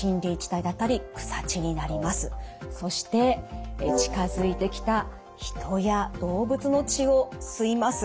そして近づいてきた人や動物の血を吸います。